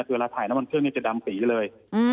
เวลาถ่ายน้ำมันเครื่องนี้จะดำสีเลย